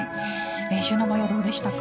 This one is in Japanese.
練習の模様、どうでしたか？